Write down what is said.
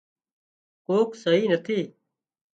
ڪوڪ سئي نٿي